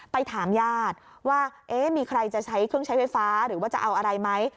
ไปถามญาติว่ามีใครจะใช้เครื่องใช้ไฟฟ้าหรือว่าจะเอาอะไรไหม